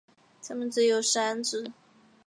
它们只有三趾。